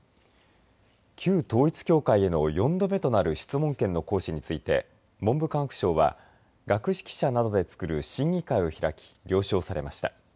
旧統一教会への４度目となる質問権の行使について文部科学省は学識者などでつくる審議会を開き了承されました。